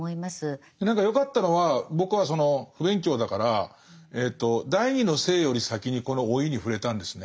何か良かったのは僕はその不勉強だから「第二の性」より先にこの「老い」に触れたんですね。